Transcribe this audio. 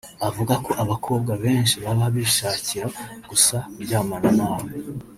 avuga ko abakobwa benshi baba bishakira gusa kuryamana nawe